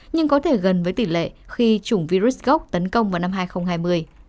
nhưng có thể gần với tỷ lệ khi chủng virus tấn công vào năm hai nghìn hai mươi